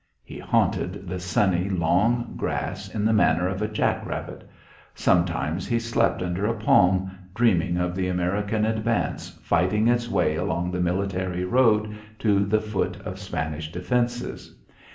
He haunted the sunny long grass in the manner of a jack rabbit. Sometimes he slept under a palm, dreaming of the American advance fighting its way along the military road to the foot of Spanish defences.